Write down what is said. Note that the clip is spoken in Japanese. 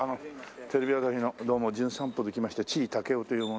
テレビ朝日の『じゅん散歩』で来ました地井武男という者。